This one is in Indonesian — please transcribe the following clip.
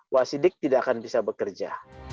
wasidik tidak akan bisa bekerja